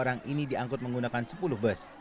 empat ratus tujuh orang ini diangkut menggunakan sepuluh bus